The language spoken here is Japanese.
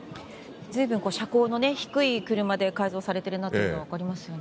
随分車高の低い車で改造されているなというのが分かりますよね。